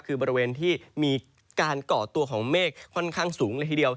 คือบริเวณที่มีการก่อตัวของเมฆค่อนข้างสูงเลยทีเดียว